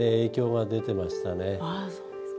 あそうですか。